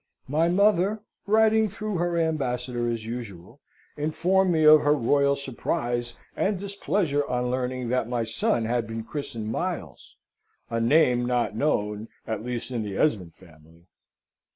My mother, writing through her ambassador as usual, informed me of her royal surprise and displeasure on learning that my son had been christened Miles a name not known, at least in the Esmond family.